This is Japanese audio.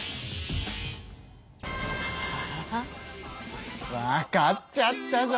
あわかっちゃったぞ！